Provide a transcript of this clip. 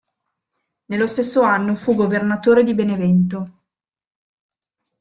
Nello stesso anno fu governatore di Benevento.